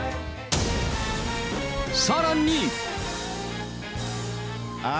さらに。